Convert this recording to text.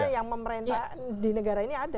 yang memerintah di negara ini ada